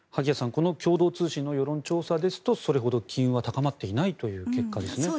この共同通信の世論調査ですとそれほど機運は高まっていないという結果ですね。